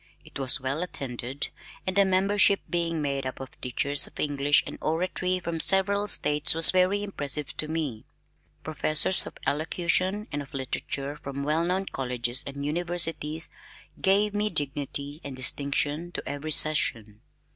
It was well attended, and the membership being made up of teachers of English and Oratory from several states was very impressive to me. Professors of elocution and of literature from well known colleges and universities gave dignity and distinction to every session.